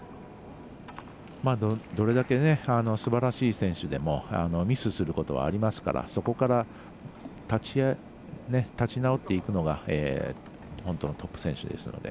どれだけすばらしい選手でもミスすることはありますからそこから立ち直っていくのが本当のトップ選手ですので。